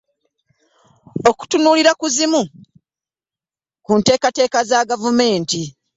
Okutunuulira ezimu ku nteekateeka za gavumenti.